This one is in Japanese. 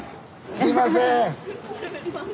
すいません！